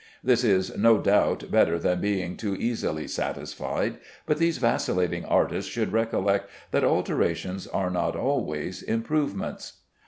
This is, no doubt, better than being too easily satisfied, but these vacillating artists should recollect that alterations are not always improvements.